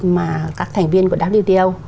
mà các thành viên của wto